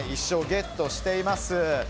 １勝ゲットしています。